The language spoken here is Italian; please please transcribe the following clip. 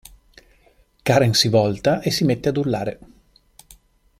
Karen si volta e si mette ad urlare.